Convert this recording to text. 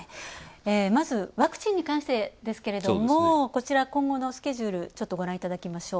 まず、ワクチンに関してですけれども今後のスケジュールご覧いただきましょう。